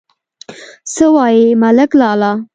_څه وايې، ملک لالا!